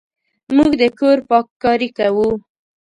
موږ د کور پاککاري کوو.